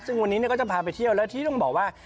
ซึ่งวันนี้ก็จะพาไปเที่ยวแล้วที่ต้องบอกว่า